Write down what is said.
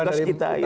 itu lah tugas kita